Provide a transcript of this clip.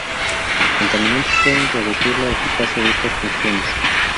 Los contaminantes pueden reducir la eficacia de estas funciones.